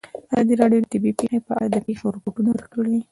ازادي راډیو د طبیعي پېښې په اړه د پېښو رپوټونه ورکړي.